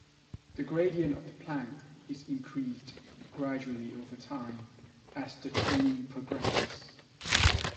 The gradient of the plank is increased gradually over time as the training progresses.